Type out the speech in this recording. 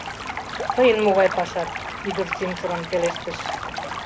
— Тыйын могай пашат? — ӱдыр сӱмсырын пелештыш.